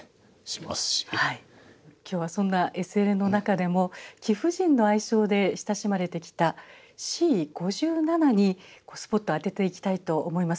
今日はそんなＳＬの中でも貴婦人の愛称で親しまれてきたＣ５７にスポットを当てていきたいと思います。